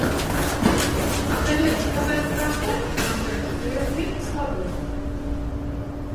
А калі казаць пра астатні кантэнт, то ён вельмі слабы.